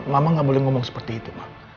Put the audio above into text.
mama nggak boleh ngomong seperti itu